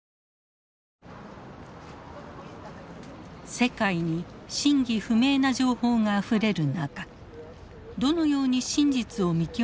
世界に真偽不明な情報があふれる中どのように真実を見極めればいいのか